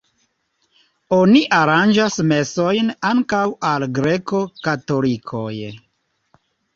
Oni aranĝas mesojn ankaŭ al greko-katolikoj.